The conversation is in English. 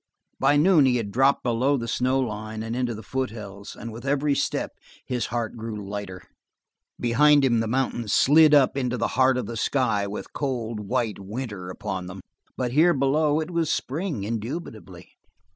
By noon he had dropped below the snowline and into the foothills, and with every step his heart grew lighter. Behind him the mountains slid up into the heart of the sky with cold, white winter upon them, but here below it was spring indubitably.